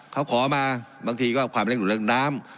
เขาขอมาบางทีก็ความเร่งด่วนเรื่องน้ำ